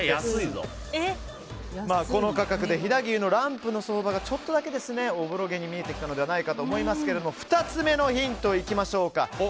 この価格で飛騨牛のランプの相場がちょっとだけ、おぼろげに見えてきたのではないかと思いますが２つ目のヒント、いきましょうか。